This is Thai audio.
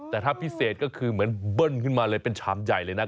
แต่ถ้าพิเศษก็คือเหมือนเบิ้ลขึ้นมาเลยเป็นชามใหญ่เลยนะ